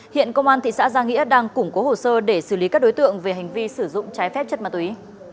hiện công an thị xã giang nghĩa đang củng cố hồ sơ để xử lý các đối tượng về hành vi sử dụng trái phép chất ma túy